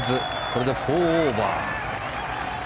これで４オーバー。